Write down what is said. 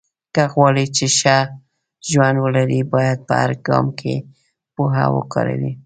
که غواړې چې ښه ژوند ولرې، باید په هر ګام کې پوهه وکاروې.